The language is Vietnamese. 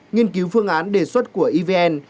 nghiên cứu phương án đề xuất của evn